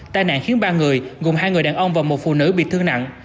tai nạn khiến ba người gồm hai người đàn ông và một phụ nữ bị thương nặng